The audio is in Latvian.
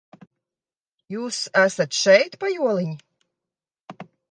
Jūs esat šeit, pajoliņi?